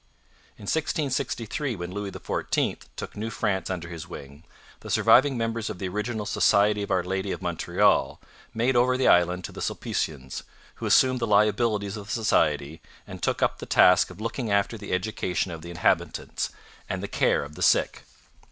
In 1663, when Louis XIV took New France under his wing, the surviving members of the original Society of Our Lady of Montreal made over the island to the Sulpicians, who assumed the liabilities of the Society, and took up the task of looking after the education of the inhabitants and the care of the sick.